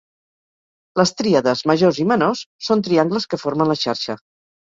Les tríades Majors i menors són triangles que formen la xarxa.